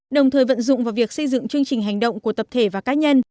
đồng thời vận dụng vào việc xây dựng chương trình hành động của tập thể và cá nhân